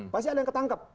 pasti ada yang tertangkap